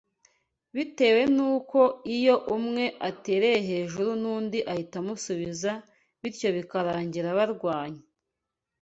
bitewe n’uko iyo umwe atereye hejuru n’undi ahita amusubiza bityo bikarangira barwanye